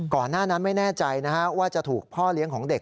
ก่อนหน้านั้นไม่แน่ใจว่าจะถูกพ่อเลี้ยงของเด็ก